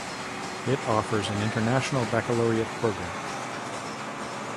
It offers an International Baccalaureate program.